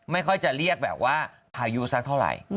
ไม่ค่อยจะเรียกแบบว่าพายุสักเท่าไหร่